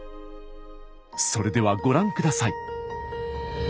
それではご覧ください。